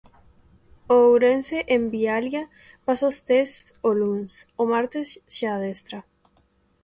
O Ourense Envialia pasa os tests o luns, o martes xa adestra.